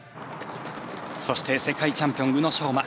そして、世界チャンピオン宇野昌磨。